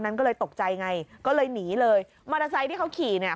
มันกลับมาที่สุดท้ายแล้วมันกลับมาที่สุดท้ายแล้ว